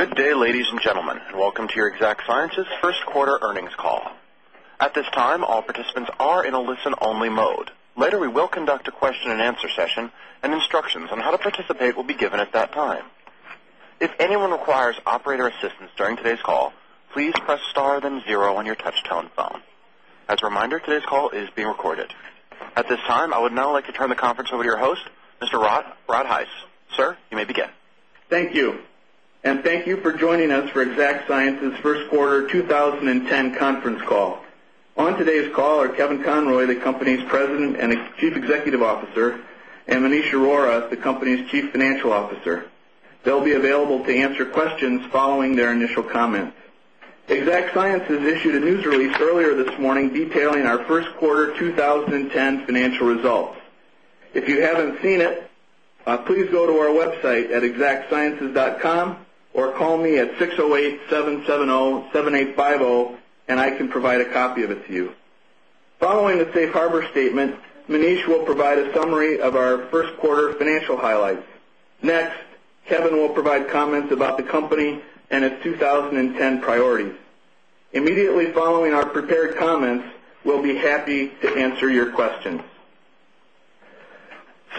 Good day, ladies and gentlemen, and welcome to your Exact Sciences first quarter earnings call. At this time, all participants are in a listen-only mode. Later, we will conduct a question-and-answer session, and instructions on how to participate will be given at that time. If anyone requires operator assistance during today's call, please press star then zero on your touch-tone phone. As a reminder, today's call is being recorded. At this time, I would now like to turn the conference over to your host, Mr. Rod Heiss. Sir, you may begin. Thank you. Thank you for joining us for Exact Sciences first quarter 2010 conference call. On today's call are Kevin Conroy, the company's President and Chief Executive Officer, and Maneesh Arora, the company's Chief Financial Officer. They'll be available to answer questions following their initial comments. Exact Sciences issued a news release earlier this morning detailing our first quarter 2010 financial results. If you haven't seen it, please go to our website at exactsciences.com or call me at 608-770-7850, and I can provide a copy of it to you. Following the safe harbor statement, Maneesh will provide a summary of our first quarter financial highlights. Next, Kevin will provide comments about the company and its 2010 priorities. Immediately following our prepared comments, we'll be happy to answer your questions.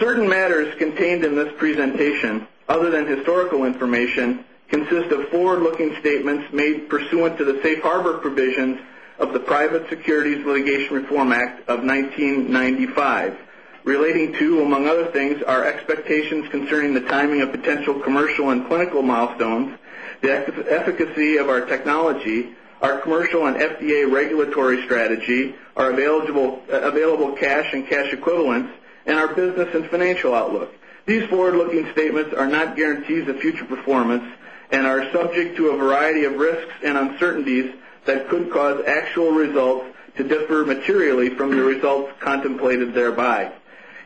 Certain matters contained in this presentation, other than historical information, consist of forward-looking statements made pursuant to the safe harbor provisions of the Private Securities Litigation Reform Act of 1995, relating to, among other things, our expectations concerning the timing of potential commercial and clinical milestones, the efficacy of our technology, our commercial and FDA regulatory strategy, our available cash and cash equivalents, and our business and financial outlook. These forward-looking statements are not guarantees of future performance and are subject to a variety of risks and uncertainties that could cause actual results to differ materially from the results contemplated thereby.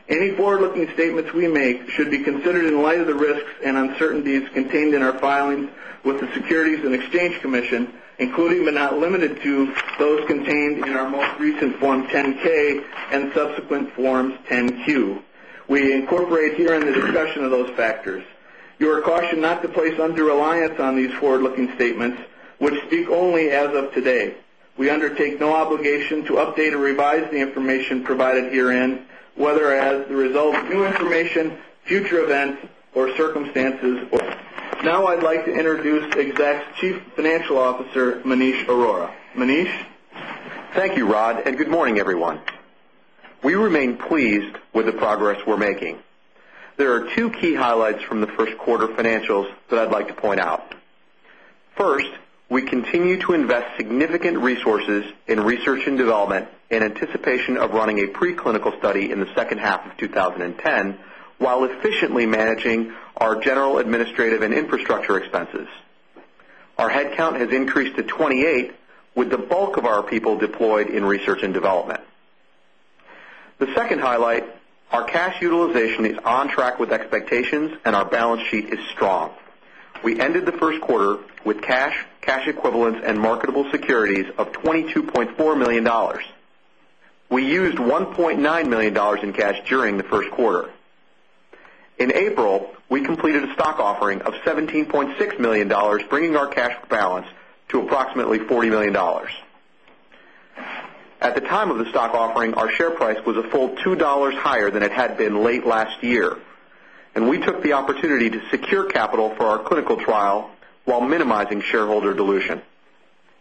Any forward-looking statements we make should be considered in light of the risks and uncertainties contained in our filings with the Securities and Exchange Commission, including but not limited to those contained in our most recent Form 10-K and subsequent Forms 10-Q. We incorporate here in the discussion of those factors. You are cautioned not to place undue reliance on these forward-looking statements, which speak only as of today. We undertake no obligation to update or revise the information provided herein, whether as the result of new information, future events, or circumstances. Now, I'd like to introduce Exact Sciences' Chief Financial Officer, Maneesh Arora. Manish. Thank you, Rod, and good morning, everyone. We remain pleased with the progress we're making. There are two key highlights from the first quarter financials that I'd like to point out. First, we continue to invest significant resources in research and development in anticipation of running a preclinical study in the second half of 2010 while efficiently managing our general administrative and infrastructure expenses. Our headcount has increased to 28, with the bulk of our people deployed in research and development. The second highlight, our cash utilization is on track with expectations, and our balance sheet is strong. We ended the first quarter with cash, cash equivalents, and marketable securities of $22.4 million. We used $1.9 million in cash during the first quarter. In April, we completed a stock offering of $17.6 million, bringing our cash balance to approximately $40 million. At the time of the stock offering, our share price was a full $2 higher than it had been late last year, and we took the opportunity to secure capital for our clinical trial while minimizing shareholder dilution.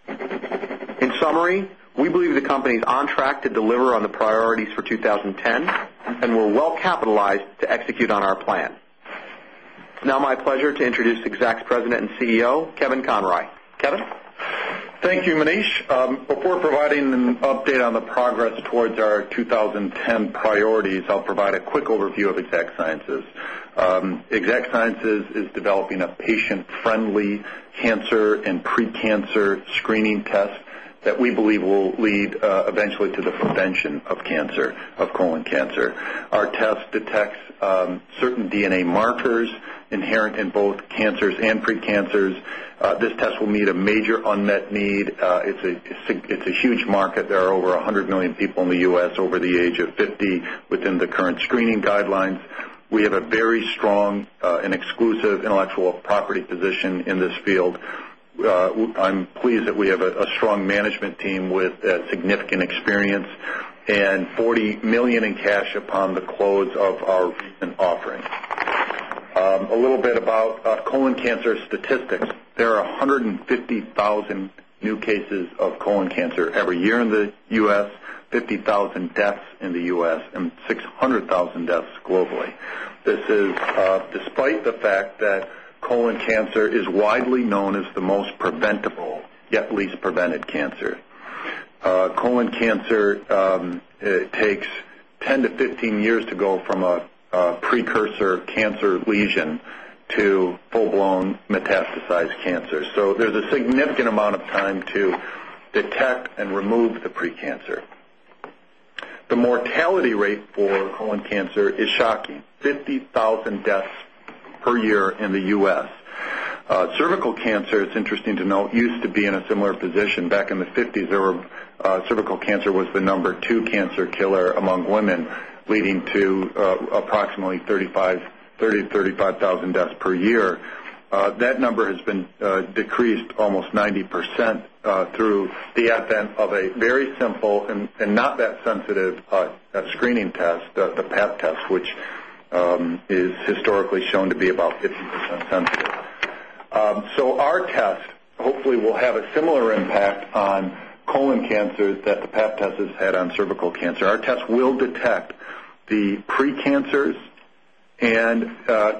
In summary, we believe the company is on track to deliver on the priorities for 2010 and we're well capitalized to execute on our plan. Now, my pleasure to introduce Exact Sciences' President and CEO, Kevin Conroy. Kevin. Thank you, Maneesh. Before providing an update on the progress towards our 2010 priorities, I'll provide a quick overview of Exact Sciences. Exact Sciences is developing a patient-friendly cancer and precancer screening test that we believe will lead eventually to the prevention of cancer, of colon cancer. Our test detects certain DNA markers inherent in both cancers and precancers. This test will meet a major unmet need. It's a huge market. There are over 100 million people in the U.S. over the age of 50 within the current screening guidelines. We have a very strong and exclusive intellectual property position in this field. I'm pleased that we have a strong management team with significant experience and $40 million in cash upon the close of our recent offering. A little bit about colon cancer statistics. There are 150,000 new cases of colon cancer every year in the U.S., 50,000 deaths in the U.S., and 600,000 deaths globally. This is despite the fact that colon cancer is widely known as the most preventable, yet least prevented cancer. Colon cancer takes 10-15 years to go from a precursor cancer lesion to full-blown metastasized cancer. There is a significant amount of time to detect and remove the precancer. The mortality rate for colon cancer is shocking: 50,000 deaths per year in the U.S. Cervical cancer, it is interesting to note, used to be in a similar position. Back in the 1950s, cervical cancer was the number two cancer killer among women, leading to approximately 30,000 to 35,000 deaths per year. That number has been decreased almost 90% through the advent of a very simple and not that sensitive screening test, the Pap test, which is historically shown to be about 50% sensitive. Our test hopefully will have a similar impact on colon cancers that the Pap test has had on cervical cancer. Our test will detect the precancers and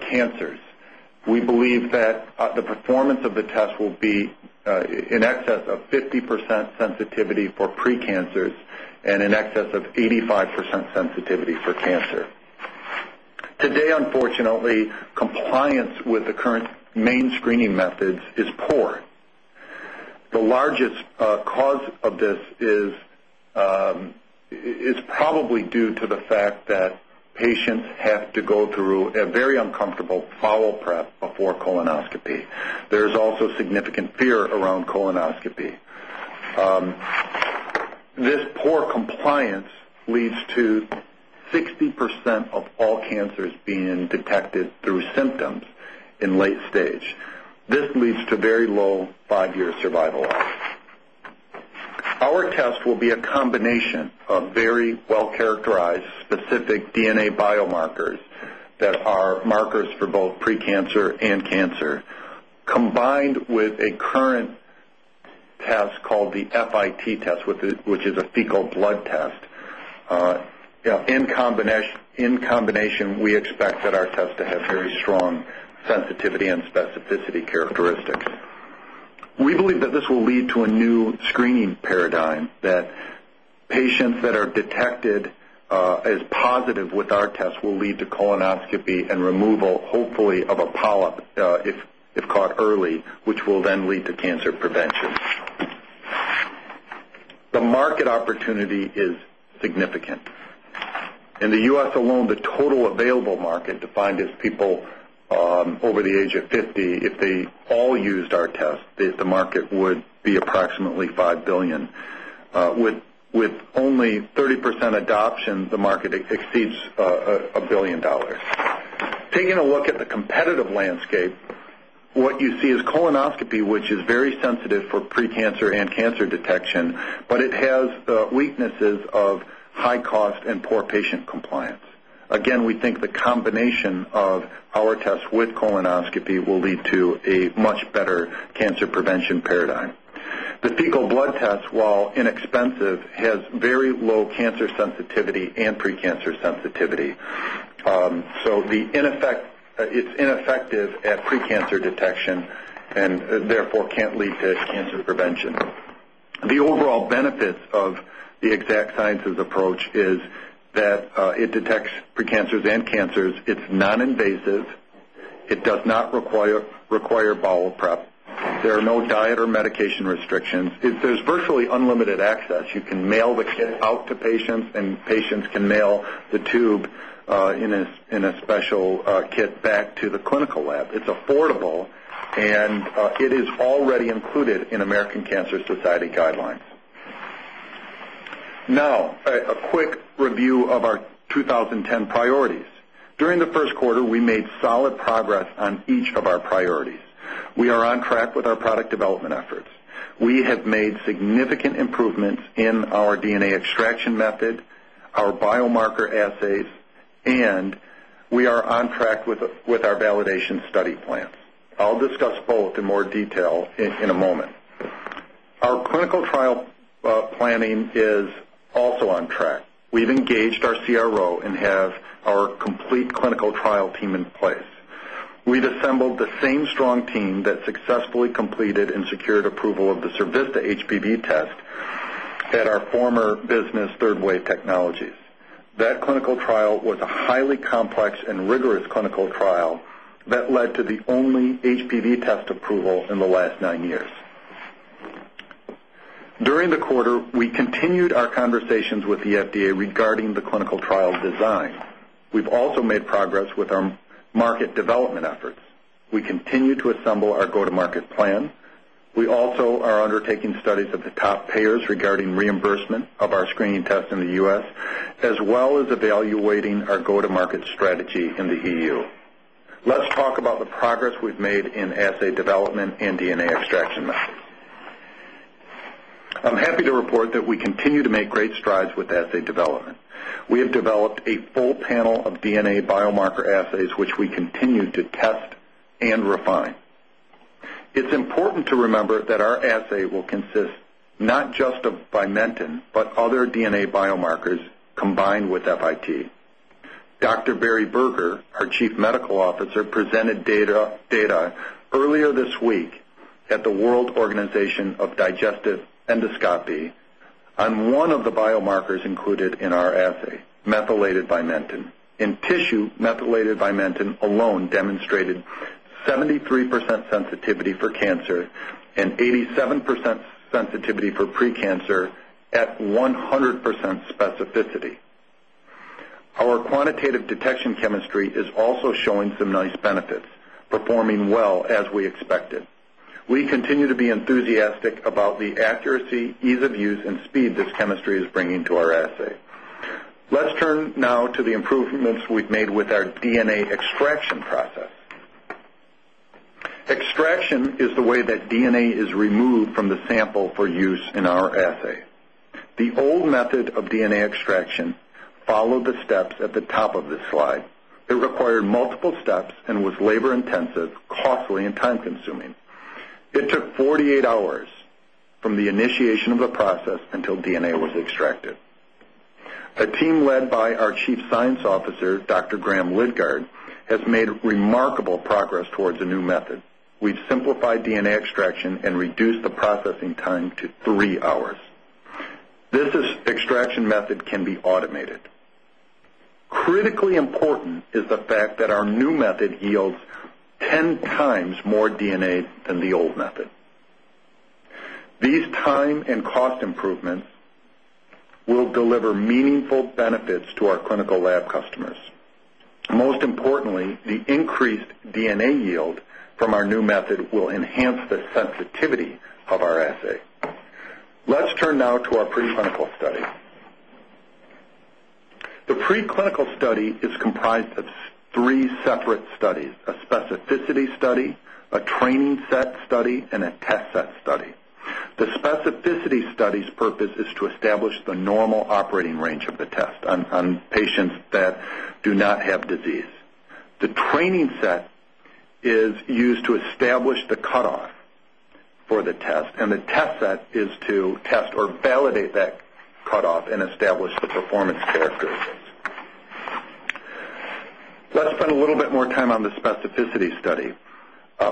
cancers. We believe that the performance of the test will be in excess of 50% sensitivity for precancers and in excess of 85% sensitivity for cancer. Today, unfortunately, compliance with the current main screening methods is poor. The largest cause of this is probably due to the fact that patients have to go through a very uncomfortable follow-up prep before colonoscopy. There is also significant fear around colonoscopy. This poor compliance leads to 60% of all cancers being detected through symptoms in late stage. This leads to very low five-year survival rates. Our test will be a combination of very well-characterized specific DNA biomarkers that are markers for both precancer and cancer, combined with a current test called the FIT test, which is a fecal blood test. In combination, we expect that our test to have very strong sensitivity and specificity characteristics. We believe that this will lead to a new screening paradigm that patients that are detected as positive with our test will lead to colonoscopy and removal, hopefully, of a polyp if caught early, which will then lead to cancer prevention. The market opportunity is significant. In the U.S. alone, the total available market defined as people over the age of 50, if they all used our test, the market would be approximately $5 billion. With only 30% adoption, the market exceeds $1 billion. Taking a look at the competitive landscape, what you see is colonoscopy, which is very sensitive for precancer and cancer detection, but it has weaknesses of high cost and poor patient compliance. Again, we think the combination of our test with colonoscopy will lead to a much better cancer prevention paradigm. The fecal blood test, while inexpensive, has very low cancer sensitivity and precancer sensitivity. It is ineffective at precancer detection and therefore cannot lead to cancer prevention. The overall benefits of the Exact Sciences approach is that it detects precancers and cancers. It is non-invasive. It does not require bowel prep. There are no diet or medication restrictions. There is virtually unlimited access. You can mail the kit out to patients, and patients can mail the tube in a special kit back to the clinical lab. It is affordable, and it is already included in American Cancer Society guidelines. Now, a quick review of our 2010 priorities. During the first quarter, we made solid progress on each of our priorities. We are on track with our product development efforts. We have made significant improvements in our DNA extraction method, our biomarker assays, and we are on track with our validation study plans. I'll discuss both in more detail in a moment. Our clinical trial planning is also on track. We've engaged our CRO and have our complete clinical trial team in place. We've assembled the same strong team that successfully completed and secured approval of the Cervista HPV test at our former business, Third Wave Technologies. That clinical trial was a highly complex and rigorous clinical trial that led to the only HPV test approval in the last nine years. During the quarter, we continued our conversations with the FDA regarding the clinical trial design. We've also made progress with our market development efforts. We continue to assemble our go-to-market plan. We also are undertaking studies of the top payers regarding reimbursement of our screening test in the U.S., as well as evaluating our go-to-market strategy in the European Union. Let's talk about the progress we've made in assay development and DNA extraction methods. I'm happy to report that we continue to make great strides with assay development. We have developed a full panel of DNA biomarker assays, which we continue to test and refine. It's important to remember that our assay will consist not just of vimentin, but other DNA biomarkers combined with FIT. Dr. Barry Berger, our Chief Medical Officer, presented data earlier this week at the World Organization of Digestive Endoscopy on one of the biomarkers included in our assay, methylated vimentin. In tissue, methylated vimentin alone demonstrated 73% sensitivity for cancer and 87% sensitivity for precancer at 100% specificity. Our quantitative-detection chemistry is also showing some nice benefits, performing well as we expected. We continue to be enthusiastic about the accuracy, ease of use, and speed this chemistry is bringing to our assay. Let's turn now to the improvements we've made with our DNA extraction process. Extraction is the way that DNA is removed from the sample for use in our assay. The old method of DNA extraction followed the steps at the top of this slide. It required multiple steps and was labor-intensive, costly, and time-consuming. It took 48 hours from the initiation of the process until DNA was extracted. A team led by our Chief Science Officer, Dr. Graham Lidgard, has made remarkable progress towards a new method. We've simplified DNA extraction and reduced the processing time to 3 hours. This extraction method can be automated. Critically important is the fact that our new method yields 10x more DNA than the old method. These time and cost improvements will deliver meaningful benefits to our clinical lab customers. Most importantly, the increased DNA yield from our new method will enhance the sensitivity of our assay. Let's turn now to our preclinical study. The preclinical study is comprised of three separate studies: a specificity study, a training set study, and a test set study. The specificity study's purpose is to establish the normal operating range of the test on patients that do not have disease. The training set is used to establish the cutoff for the test, and the test set is to test or validate that cutoff and establish the performance characteristics. Let's spend a little bit more time on the specificity study.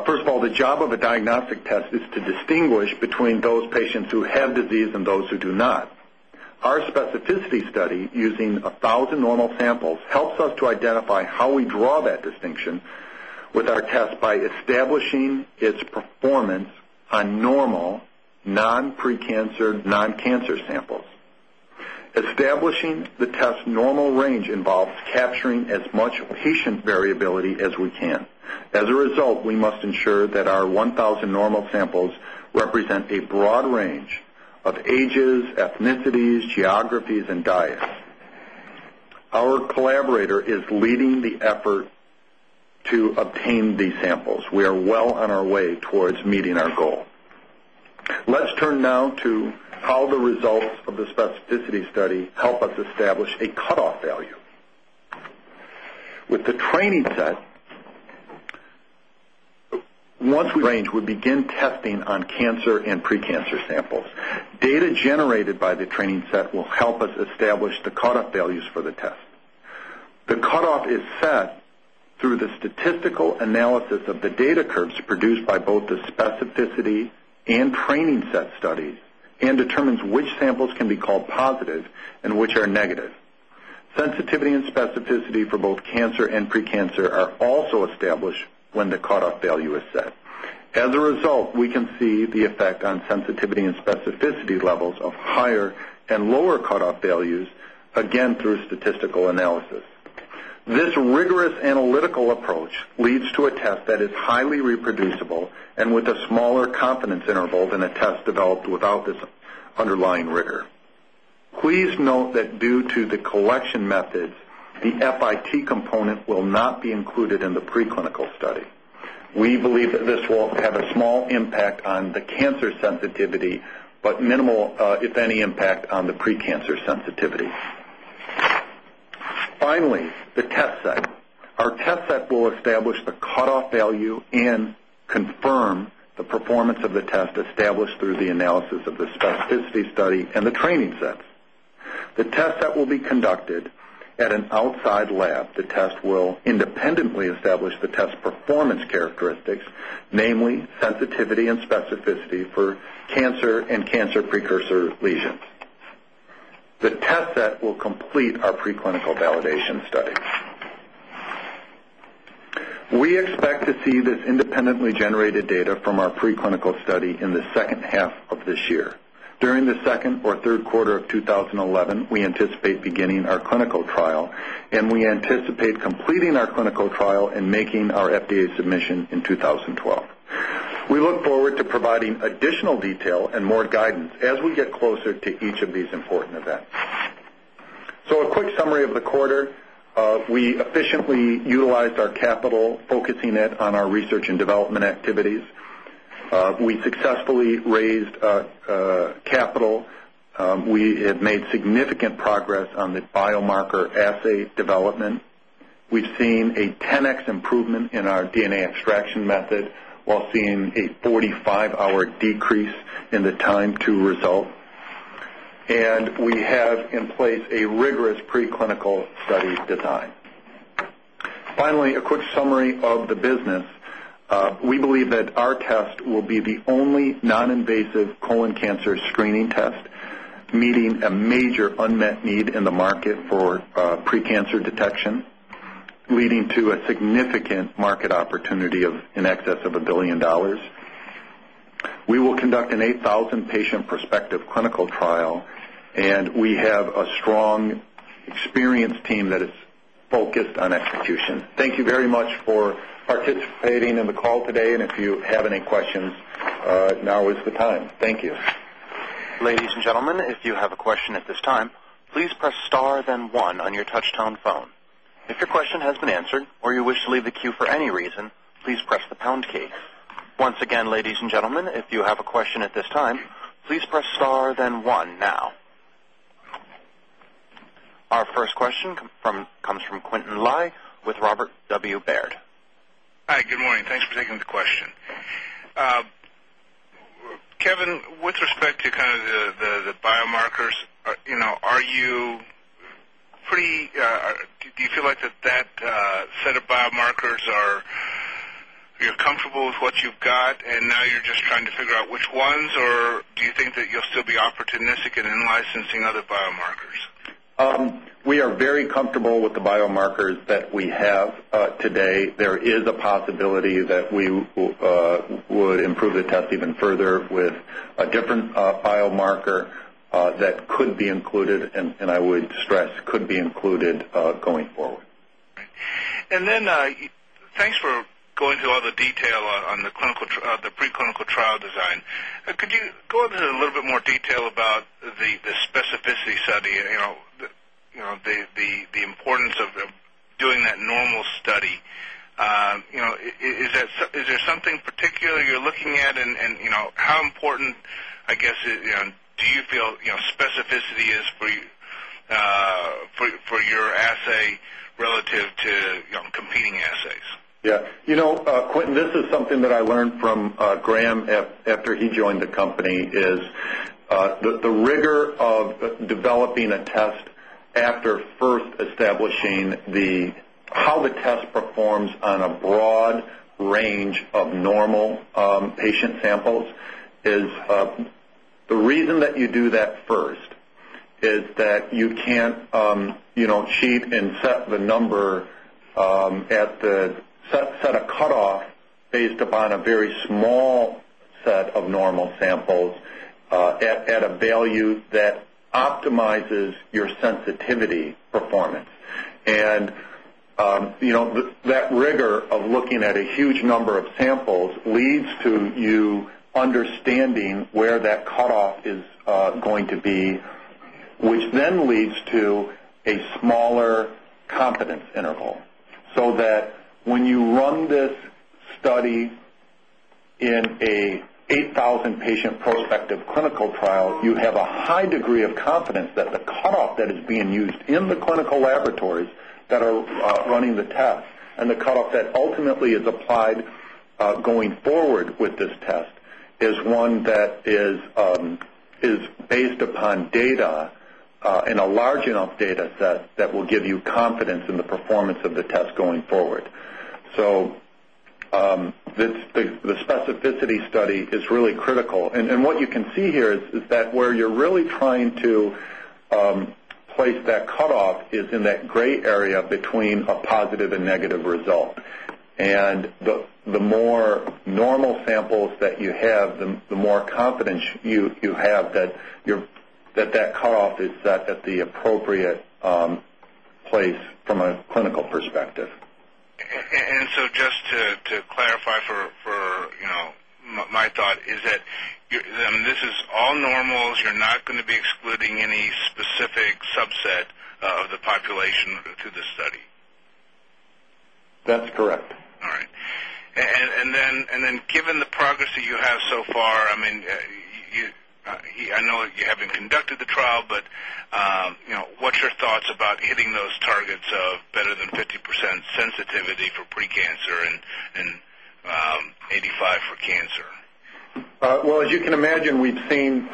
First of all, the job of a diagnostic test is to distinguish between those patients who have disease and those who do not. Our specificity study, using 1,000 normal samples, helps us to identify how we draw that distinction with our test by establishing its performance on normal, non-precancer, non-cancer samples. Establishing the test's normal range involves capturing as much patient variability as we can. As a result, we must ensure that our 1,000 normal samples represent a broad range of ages, ethnicities, geographies, and diets. Our collaborator is leading the effort to obtain these samples. We are well on our way towards meeting our goal. Let's turn now to how the results of the specificity study help us establish a cutoff value. With the training set, once we range would begin testing on cancer and precancer samples. Data generated by the training set will help us establish the cutoff values for the test. The cutoff is set through the statistical analysis of the data curves produced by both the specificity and training set studies and determines which samples can be called positive and which are negative. Sensitivity and specificity for both cancer and precancer are also established when the cutoff value is set. As a result, we can see the effect on sensitivity and specificity levels of higher and lower cutoff values, again, through statistical analysis. This rigorous analytical approach leads to a test that is highly reproducible and with a smaller confidence interval than a test developed without this underlying rigor. Please note that due to the collection methods, the FIT component will not be included in the preclinical study. We believe that this will have a small impact on the cancer sensitivity but minimal, if any, impact on the precancer sensitivity. Finally, the test set. Our test set will establish the cutoff value and confirm the performance of the test established through the analysis of the specificity study and the training set. The test set will be conducted at an outside lab. The test will independently establish the test performance characteristics, namely sensitivity and specificity for cancer and cancer precursor lesions. The test set will complete our preclinical validation study. We expect to see this independently generated data from our preclinical study in the second half of this year. During the second or third quarter of 2011, we anticipate beginning our clinical trial, and we anticipate completing our clinical trial and making our FDA submission in 2012. We look forward to providing additional detail and more guidance as we get closer to each of these important events. A quick summary of the quarter. We efficiently utilized our capital, focusing it on our research and development activities. We successfully raised capital. We have made significant progress on the biomarker assay development. We've seen a 10x improvement in our DNA extraction method while seeing a 45-hour decrease in the time to result. We have in place a rigorous preclinical study design. Finally, a quick summary of the business. We believe that our test will be the only non-invasive colon cancer screening test, meeting a major unmet need in the market for precancer detection, leading to a significant market opportunity in excess of $1 billion. We will conduct an 8,000-patient prospective clinical trial, and we have a strong experienced team that is focused on execution. Thank you very much for participating in the call today, and if you have any questions, now is the time. Thank you. Ladies and gentlemen, if you have a question at this time, please press star then one on your touch-tone phone. If your question has been answered or you wish to leave the queue for any reason, please press the pound key. Once again, ladies and gentlemen, if you have a question at this time, please press star then one now. Our first question comes from Quintin Lai with Robert W. Baird. Hi. Good morning. Thanks for taking the question. Kevin, with respect to kind of the biomarkers, are you pretty—do you feel like that that set of biomarkers, are you comfortable with what you've got, and now you're just trying to figure out which ones, or do you think that you'll still be opportunistic in licensing other biomarkers? We are very comfortable with the biomarkers that we have today. There is a possibility that we would improve the test even further with a different biomarker that could be included, and I would stress could be included going forward. Thanks for going to all the detail on the preclinical trial design. Could you go into a little bit more detail about the specificity study, the importance of doing that normal study? Is there something particular you're looking at, and how important, I guess, do you feel specificity is for your assay relative to competing assays? Yeah. Quintin, this is something that I learned from Graham after he joined the company, is the rigor of developing a test after first establishing how the test performs on a broad range of normal patient samples. The reason that you do that first is that you can't cheat and set the number at the set a cutoff based upon a very small set of normal samples at a value that optimizes your sensitivity performance. That rigor of looking at a huge number of samples leads to you understanding where that cutoff is going to be, which then leads to a smaller confidence interval so that when you run this study in an 8,000-patient prospective clinical trial, you have a high degree of confidence that the cutoff that is being used in the clinical laboratories that are running the test and the cutoff that ultimately is applied going forward with this test is one that is based upon data and a large enough data set that will give you confidence in the performance of the test going forward. The specificity study is really critical. What you can see here is that where you're really trying to place that cutoff is in that gray area between a positive and negative result. The more normal samples that you have, the more confidence you have that that cutoff is set at the appropriate place from a clinical perspective. Just to clarify for my thought, is that this is all normal. You're not going to be excluding any specific subset of the population through the study? That's correct. All right. Given the progress that you have so far, I mean, I know you haven't conducted the trial, but what's your thoughts about hitting those targets of better than 50% sensitivity for precancer and 85% for cancer? I mean, as you can imagine, we've seen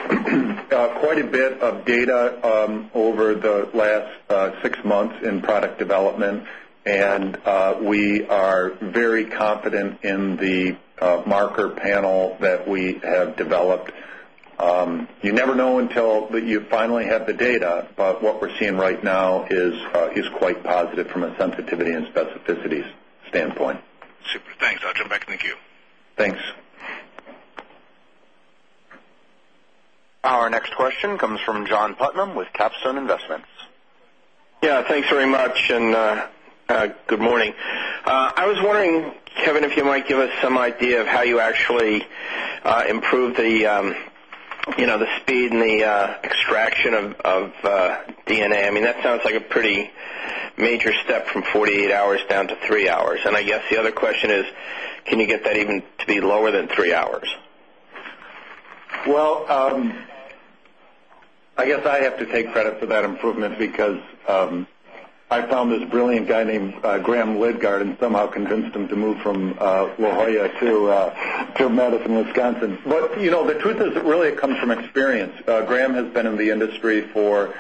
quite a bit of data over the last six months in product development, and we are very confident in the marker panel that we have developed. You never know until you finally have the data, but what we're seeing right now is quite positive from a sensitivity and specificity standpoint. Super. Thanks. I'll jump back and thank you. Thanks. Our next question comes from John Putnam with Capstone Investments. Yeah. Thanks very much and good morning. I was wondering, Kevin, if you might give us some idea of how you actually improved the speed and the extraction of DNA. I mean, that sounds like a pretty major step from 48 hours down to 3 hours. I guess the other question is, can you get that even to be lower than 3 hours? I have to take credit for that improvement because I found this brilliant guy named Graham Liddgard and somehow convinced him to move from La Jolla to Madison, Wisconsin. The truth is, really, it comes from experience. Graham has been in the industry for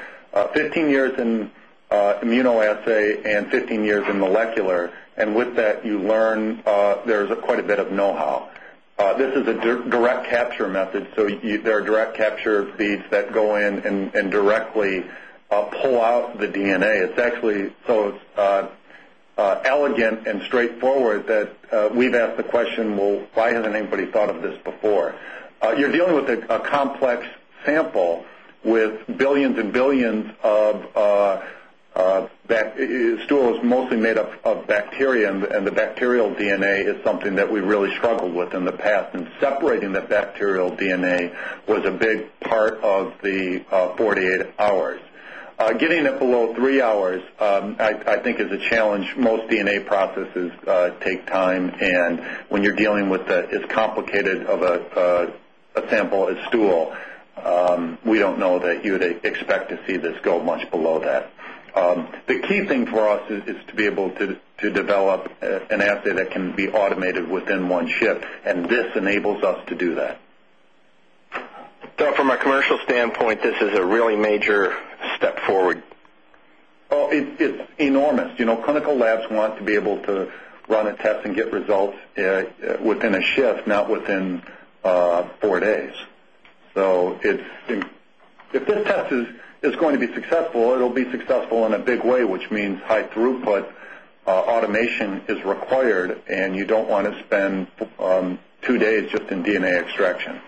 15 years in immunoassay and 15 years in molecular. With that, you learn there's quite a bit of know-how. This is a direct capture method, so there are direct capture feeds that go in and directly pull out the DNA. It's actually so elegant and straightforward that we've asked the question, "Why hasn't anybody thought of this before?" You're dealing with a complex sample with billions and billions of stools mostly made up of bacteria, and the bacterial DNA is something that we really struggled with in the past. Separating that bacterial DNA was a big part of the 48 hours. Getting it below 3 hours, I think, is a challenge. Most DNA processes take time, and when you're dealing with as complicated of a sample as stool, we don't know that you'd expect to see this go much below that. The key thing for us is to be able to develop an assay that can be automated within one shift, and this enables us to do that. From a commercial standpoint, this is a really major step forward. Oh, it's enormous. Clinical labs want to be able to run a test and get results within a shift, not within four days. If this test is going to be successful, it'll be successful in a big way, which means high throughput automation is required, and you don't want to spend two days just in DNA extraction.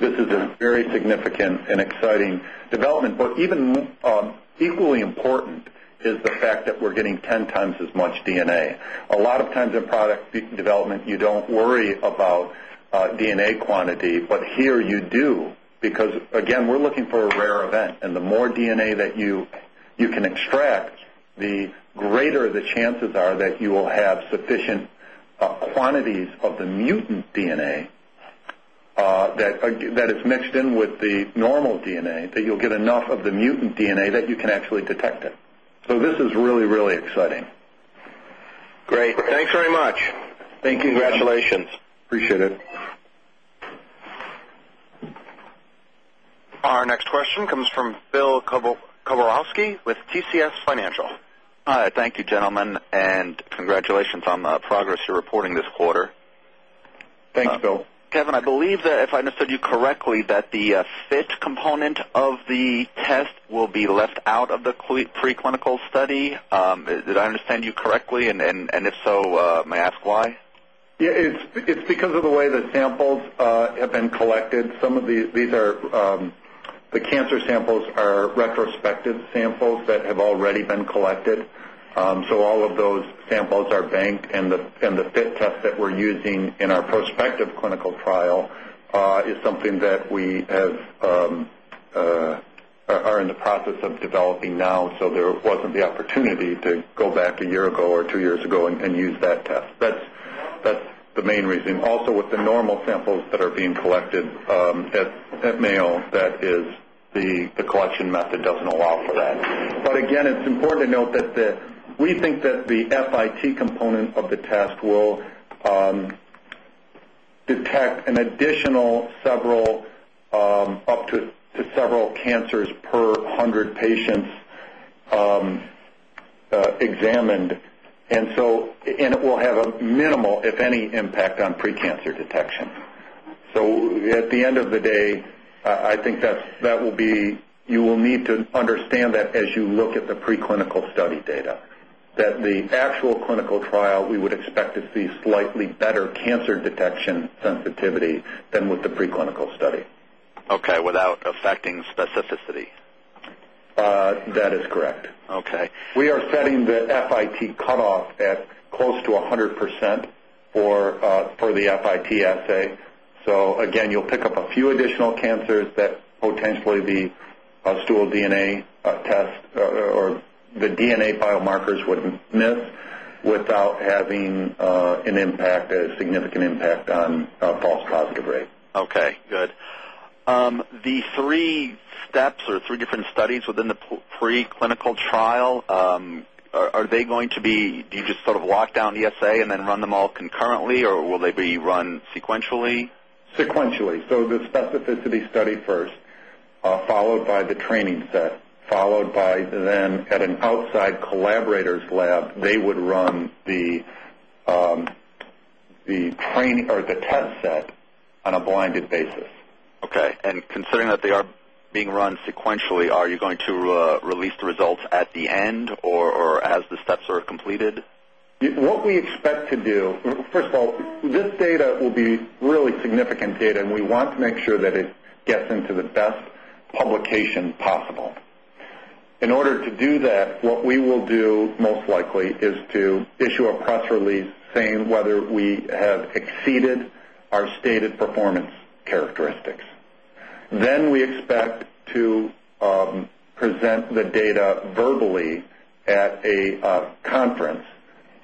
This is a very significant and exciting development. Even equally important is the fact that we're getting 10 times as much DNA. A lot of times in product development, you do not worry about DNA quantity, but here you do because, again, we are looking for a rare event. The more DNA that you can extract, the greater the chances are that you will have sufficient quantities of the mutant DNA that is mixed in with the normal DNA, that you will get enough of the mutant DNA that you can actually detect it. This is really, really exciting. Great. Thanks very much. Thank you. Congratulations. Appreciate it. Our next question comes from Bill Kowlorowski with TCS Financial. All right. Thank you, gentlemen, and congratulations on the progress you are reporting this quarter. Thanks, Bill. Kevin, I believe that if I understood you correctly, the FIT component of the test will be left out of the preclinical study. Did I understand you correctly? If so, may I ask why? Yeah. It's because of the way the samples have been collected. Some of these are the cancer samples are retrospective samples that have already been collected. All of those samples are banked, and the FIT test that we're using in our prospective clinical trial is something that we are in the process of developing now. There wasn't the opportunity to go back a year ago or two years ago and use that test. That's the main reason. Also, with the normal samples that are being collected at Mayo, the collection method doesn't allow for that. Again, it's important to note that we think that the FIT component of the test will detect an additional several up to several cancers per 100 patients examined. It will have a minimal, if any, impact on precancer detection. At the end of the day, I think that will be, you will need to understand that as you look at the preclinical study data, the actual clinical trial, we would expect to see slightly better cancer detection sensitivity than with the preclinical study. Okay. Without affecting specificity. That is correct. Okay. We are setting the FIT cutoff at close to 100% for the FIT assay. Again, you'll pick up a few additional cancers that potentially the stool DNA test or the DNA biomarkers would miss without having an impact, a significant impact on false positive rate. Okay. Good. The three steps or three different studies within the preclinical trial, are they going to be, do you just sort of lock down the assay and then run them all concurrently, or will they be run sequentially? Sequentially. The specificity study first, followed by the training set, followed by then at an outside collaborator's lab, they would run the test set on a blinded basis. Okay. And considering that they are being run sequentially, are you going to release the results at the end or as the steps are completed? What we expect to do, first of all, this data will be really significant data, and we want to make sure that it gets into the best publication possible. In order to do that, what we will do most likely is to issue a press release saying whether we have exceeded our stated performance characteristics. Then we expect to present the data verbally at a conference,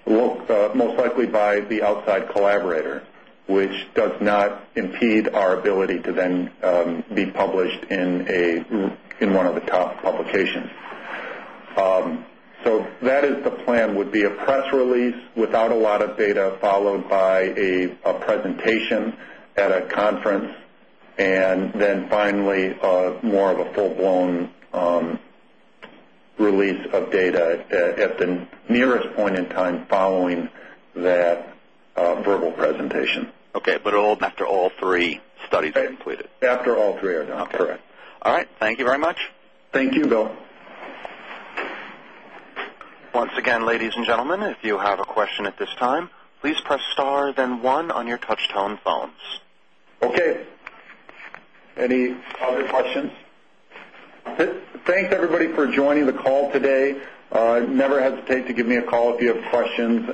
most likely by the outside collaborator, which does not impede our ability to then be published in one of the top publications. That is the plan, would be a press release without a lot of data, followed by a presentation at a conference, and then finally more of a full-blown release of data at the nearest point in time following that verbal presentation. Okay. After all three studies are completed? After all three are done. Correct. All right. Thank you very much. Thank you, Bill. Once again, ladies and gentlemen, if you have a question at this time, please press star, then one on your touch-tone phones. Okay. Any other questions? Thanks, everybody, for joining the call today. Never hesitate to give me a call if you have questions.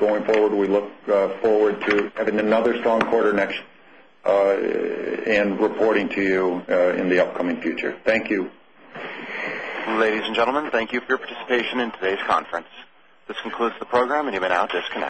Going forward, we look forward to having another strong quarter next and reporting to you in the upcoming future. Thank you. Ladies and gentlemen, thank you for your participation in today's conference. This concludes the program, and you may now disconnect.